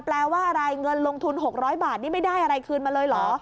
แปลว่าอะไรเงินลงทุน๖๐๐บาทนี่ไม่ได้อะไรคืนมาเลยเหรอ